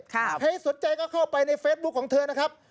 ถ้าอยากจะสนใจเข้าไปในเฟซบุคของเธอนะครับ